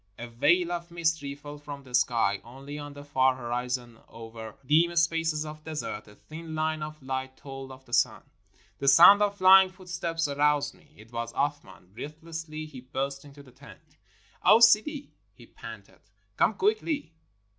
A veil of mystery fell from the sky. Only on the far horizon over dim spaces of desert a thin line of light told of the sun. The sound of flying footsteps aroused me. It was Athman. Breathlessly he burst into the tent. "O Sidi," he panted, "come quickly."